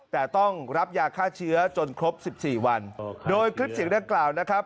แต่ต้องรับยาฆ่าเชื้อจนครบสิบสี่วันโดยคลิปเสียงดังกล่าวนะครับ